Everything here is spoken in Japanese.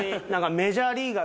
メジャーリーガー？